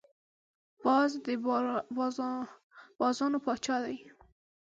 باز د بازانو پاچا دی